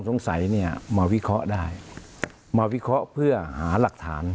สงสัยเนี่ยมาวิเคราะห์ได้มาวิเคราะห์เพื่อหาหลักฐาน